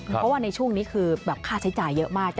เพราะว่าในช่วงนี้คือแบบค่าใช้จ่ายเยอะมาก